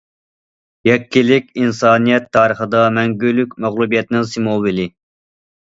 يەككىلىك ئىنسانىيەت تارىخىدا مەڭگۈلۈك مەغلۇبىيەتنىڭ سىمۋولى.